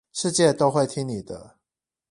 世界都會聽你的